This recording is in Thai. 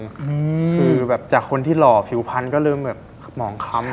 คือแบบจากคนที่หล่อผิวพันธุ์ก็เริ่มแบบหมองค้ำ